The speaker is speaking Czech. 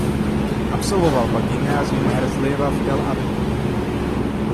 Absolvoval pak Gymnázium Herzlija v Tel Avivu.